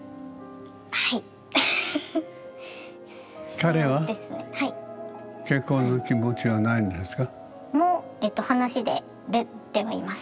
彼は結婚の気持ちはないんですか？